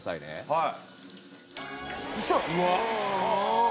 はい。